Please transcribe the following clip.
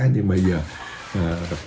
nhưng bây giờ